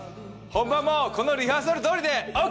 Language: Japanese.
本番もこのリハーサルどおりでＯＫ？